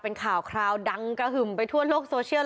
เป็นข่าวคราวดังกระหึ่มไปทั่วโลกโซเชียล